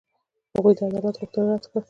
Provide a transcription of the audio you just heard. هغوی د عدالت غوښتنه رد کړه.